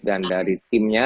dan dari timnya